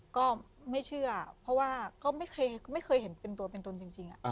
ก็ไม่เชื่อเพราะว่าก็ไม่เคยเห็นเป็นตัวเป็นตนจริง